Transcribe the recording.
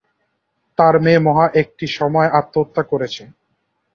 তার মেয়ে মহা একই সময়ে আত্মহত্যা করেছে।